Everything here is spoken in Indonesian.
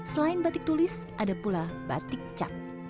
selain batik tulis ada pula batik cap